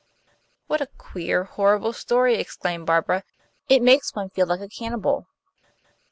"What a queer, horrible story," exclaimed Barbara. "It makes one feel like a cannibal."